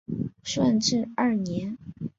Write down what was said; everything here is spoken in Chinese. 顺治二年。